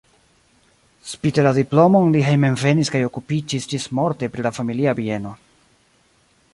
Spite la diplomon li hejmenvenis kaj okupiĝis ĝismorte pri la familia bieno.